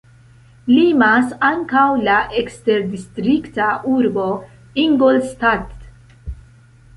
Limas ankaŭ la eksterdistrikta urbo Ingolstadt.